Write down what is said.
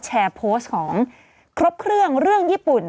แชร์โพสต์ของครบเครื่องเรื่องญี่ปุ่น